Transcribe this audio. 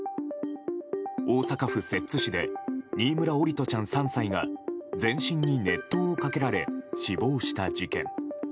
大阪府摂津市で新村桜利斗ちゃん、３歳が全身に熱湯をかけられ死亡した事件。